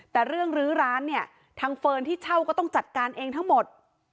แต่เรื่องลื้อร้านเนี่ยทางเฟิร์นที่เช่าก็ต้องจัดการเองทั้งหมด